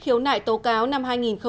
khiếu nại tố cáo năm hai nghìn một mươi chín